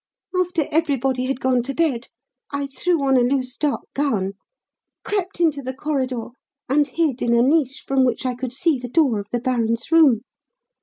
After everybody had gone to bed, I threw on a loose, dark gown, crept into the corridor, and hid in a niche from which I could see the door of the baron's room.